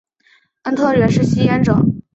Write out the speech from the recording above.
亨特原是吸烟者。